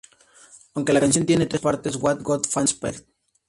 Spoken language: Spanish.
Aunque la canción tiene tres partes, "What God Wants Pt.